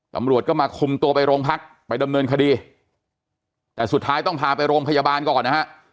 ตำรวจก็มาคุมตัวไปโรงพักไปดำเนินคดีแต่สุดท้ายต้องพาไปโรงพยาบาลก่อนนะฮะ